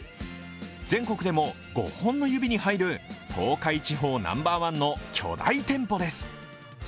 全国でも５本の指に入る東海地方ナンバーワンの巨大店舗です。